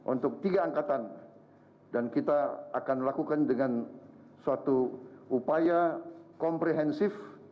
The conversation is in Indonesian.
untuk tiga angkatan dan kita akan lakukan dengan suatu upaya komprehensif